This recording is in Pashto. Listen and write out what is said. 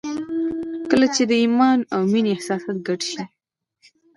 کله چې د ایمان او مینې احساسات ګډ شي